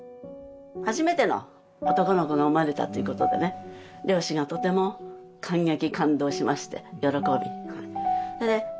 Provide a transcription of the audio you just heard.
初めての男の子が生まれたということで両親がとても感激感動しまして喜び